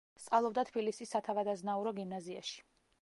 სწავლობდა თბილისის სათავადაზნაურო გიმნაზიაში.